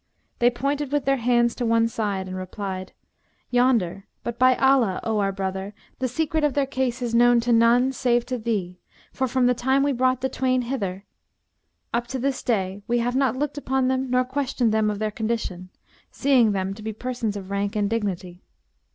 They pointed with their hands to one side and replied, 'Yonder, but, by Allah, O our brother, the secret of their case is known to none save to thee, for from the time we brought the twain hither up to this day, we have not looked upon them nor questioned them of their condition, seeing them to be persons of rank and dignity.